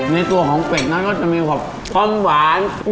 ในตัวของเป็ดนั้นก็จะมีความหวาน